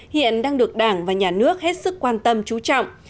hiện đang được đảng và nhà nước hết sức quan tâm trú trọng